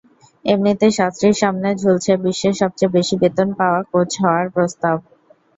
এমনিতে শাস্ত্রীর সামনে ঝুলছে বিশ্বের সবচেয়ে বেশি বেতন পাওয়া কোচ হওয়ার প্রস্তাব।